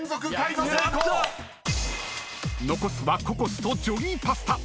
［残すはココスとジョリーパスタ］